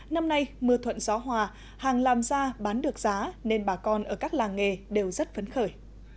năm nay mưa thuận gió hòa hàng làm ra bán được giá nên bà con ở các làng nghề đều rất phấn khởi